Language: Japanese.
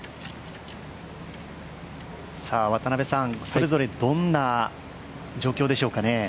それぞれどんな状況でしょうかね。